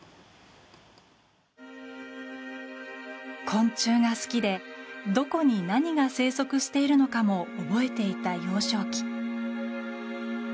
昆虫が好きでどこに何が生息しているのかも覚えていた幼少期。